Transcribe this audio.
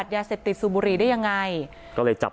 พระเจ้าอาวาสกันหน่อยนะครับ